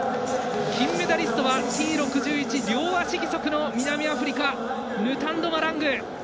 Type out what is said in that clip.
金メダリストはＴ６１、両足義足の南アフリカ、ヌタンド・マラング。